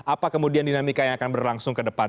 apa kemudian dinamika yang akan berlangsung ke depan